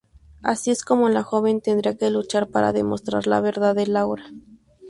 Es así como la joven tendrá que luchar para demostrar "La verdad de Laura".